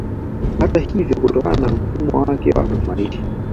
Hata hivyo kutokana na mfumo wake wa maisha